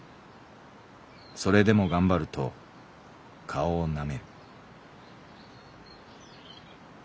それでも頑張ると顔をなめる」。